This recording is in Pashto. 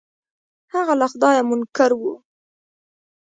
هغه له خدايه منکر و.